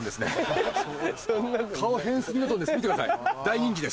カオヘンスギノドンです見てください大人気です。